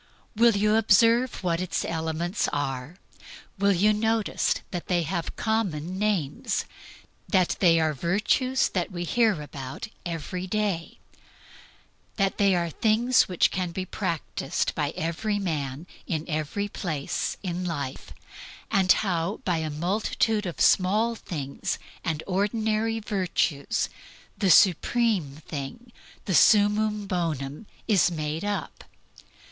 Will you observe what its elements are? Will you notice that they have common names; that they are virtues which we hear about every day; that they are things which can be practised by every man in every place in life; and how, by a multitude of small things and ordinary virtues, the supreme thing, the summum bonum, is made up?